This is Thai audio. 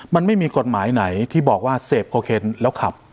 มันไม่มีกฎหมายไหนที่บอกว่าเสพโคเคนแล้วขับ